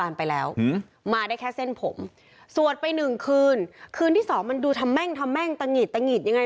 ร่วมกับตันอยู่อย่างนี้ฮะ